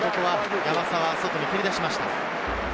山沢、外に蹴り出しました。